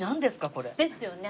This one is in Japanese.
これ。ですよね？